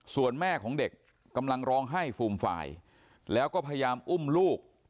ส่วนแม่ของเด็กกำลังร้องไห้ฟูมฟายแล้วก็พยายามอุ้มลูก